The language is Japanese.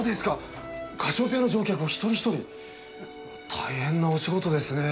大変なお仕事ですねえ